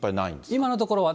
今のところは。